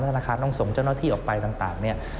และธนาคารต้องส่งเจ้านอทิออกไปต่าง